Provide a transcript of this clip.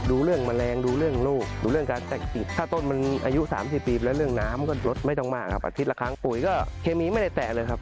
ดูแลทั่วไปเหมือนไม้ฝนทั่วไปครับ